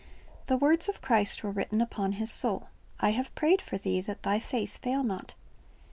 The words of Christ were written upon his soul, "I have prayed for thee, that thy faith fail not."